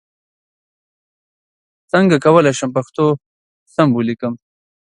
څنګه کولای شم پښتو سم ولیکم ؟